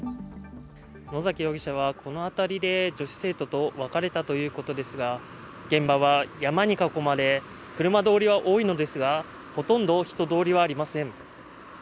野崎容疑者はこの辺りで女子生徒と別れたということですが、現場は山に囲まれ車通りは多いのですが、ほとんど人通りはありません。